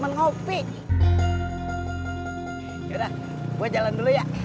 udah gue jalan dulu ya